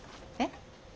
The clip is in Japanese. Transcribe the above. えっ？